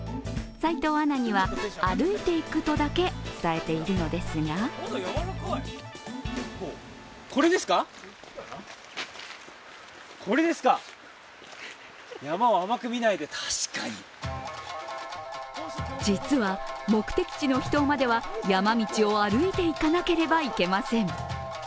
齋藤アナには歩いて行くとだけ伝えているのですが実は、目的地の秘湯までは山道を歩いていかなければいけません。